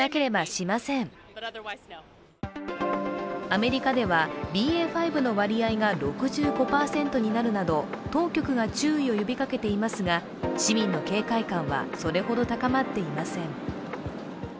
アメリカではＢＡ．５の割合が６５％になるなど当局が注意を呼びかけていますが市民の警戒感はそれほど高まっていません。